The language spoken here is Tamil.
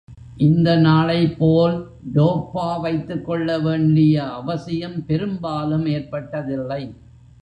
இந்த நாளைப்போல் டோப்பா வைத்துக் கொள்ள வேண்டிய அவசியம் பெரும்பாலும் ஏற்பட்டதில்லை.